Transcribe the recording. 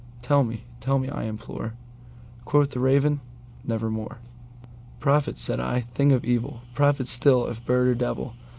—tell me—tell me, I implore!"Quoth the Raven, "Nevermore.""Prophet!" said I, "thing of evil—prophet still, if bird or devil!